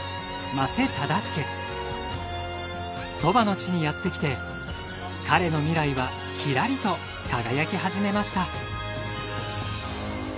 鳥羽の地にやってきて彼の未来はキラリと輝き始めました。